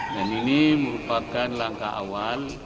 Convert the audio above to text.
dan ini merupakan langkah awal